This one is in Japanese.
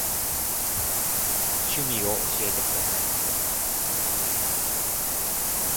趣味を教えてください。